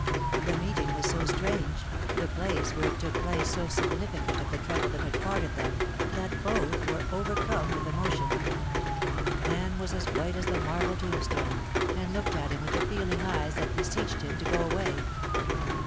The meeting was so strange, the place where it took place so significant of the trouble that had parted them, that both were overcome with emotion. Anne was as white as the marble tombstone, and looked at him with appealing eyes that beseeched him to go away.